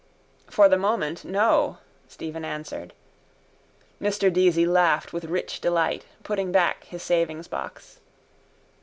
—For the moment, no, Stephen answered. Mr Deasy laughed with rich delight, putting back his savingsbox.